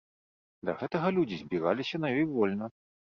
Да гэтага людзі збіраліся на ёй вольна.